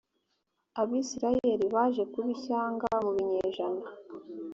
abisirayeli baje kuba ishyanga mu binyejana